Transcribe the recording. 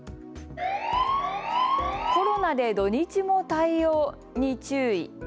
コロナで土日も対応に注意。